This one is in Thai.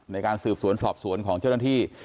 ในการสืบสวนสอบสวนของเจ้าหน้าที่